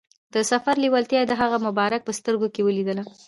د سفر لیوالتیا یې د هغه مبارک په سترګو کې ولیدله.